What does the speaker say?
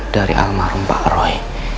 dari almarhum pak roy